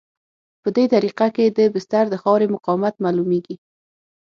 په دې طریقه کې د بستر د خاورې مقاومت معلومیږي